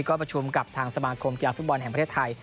ก็ประชุมกับทางสมาคมกีฬาฟุตบอลแห่งประเทศไทย